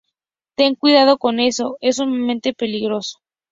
Ten cuidado con eso. Es sumamente peligroso.